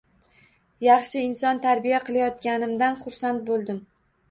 Yaxshi inson tarbiya qilayotganimdan xursand boʻldim...